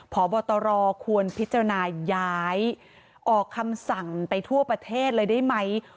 พบตรควรพิจารณาย้ายออกคำสั่งไปทั่วประเทศเลยได้ไหม